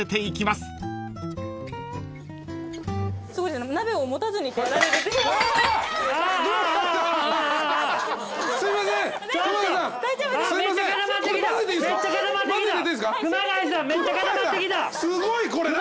すごいこれ何？